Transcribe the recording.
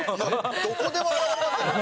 どこでも。